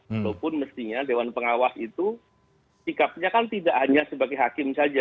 walaupun mestinya dewan pengawas itu sikapnya kan tidak hanya sebagai hakim saja